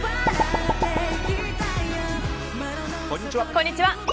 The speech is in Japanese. こんにちは。